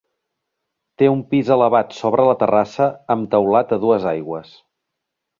Té un pis elevat sobre la terrassa amb teulat a dues aigües.